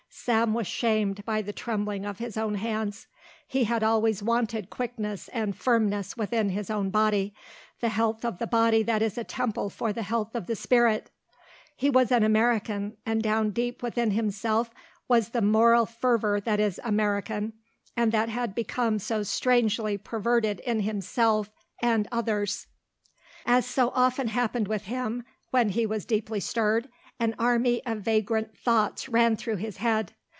Sam was shamed by the trembling of his own hands. He had always wanted quickness and firmness within his own body, the health of the body that is a temple for the health of the spirit. He was an American and down deep within himself was the moral fervor that is American and that had become so strangely perverted in himself and others. As so often happened with him, when he was deeply stirred, an army of vagrant thoughts ran through his head.